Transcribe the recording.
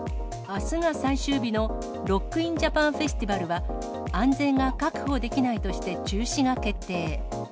あすが最終日のロック・イン・ジャパン・フェスティバルは、安全が確保できないとして中止が決定。